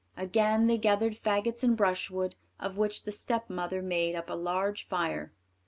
Again they gathered faggots and brushwood, of which the stepmother made up a large fire.